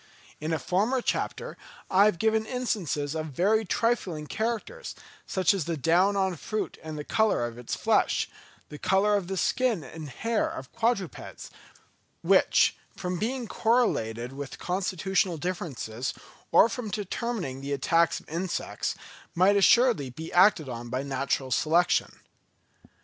In a former chapter I have given instances of very trifling characters, such as the down on fruit and the colour of its flesh, the colour of the skin and hair of quadrupeds, which, from being correlated with constitutional differences, or from determining the attacks of insects, might assuredly be acted on by natural selection.